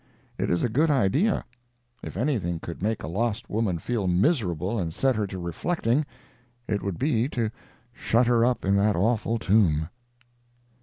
It is a good idea. If anything could make a lost woman feel miserable and set her to reflecting, it would be to shut her up in that awful tomb.